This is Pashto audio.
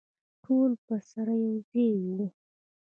ټول به سره یوځای وو.